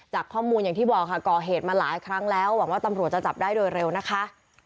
ข้อมูลอย่างที่บอกค่ะก่อเหตุมาหลายครั้งแล้วหวังว่าตำรวจจะจับได้โดยเร็วนะคะ